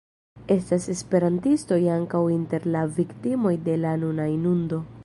Estas esperantistoj ankaŭ inter la viktimoj de la nuna inundo.